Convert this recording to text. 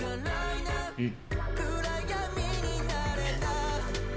うん。